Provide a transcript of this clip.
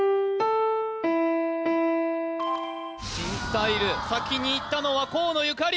新スタイル先にいったのは河野ゆかり